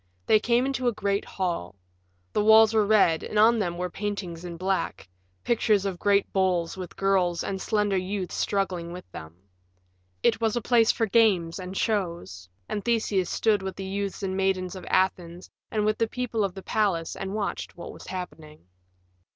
They came into a great hall. The walls were red and on them were paintings in black pictures of great bulls with girls and slender youths struggling with them. It was a place for games and shows, and Theseus stood with the youths and maidens of Athens and with the people of the palace and watched what was happening.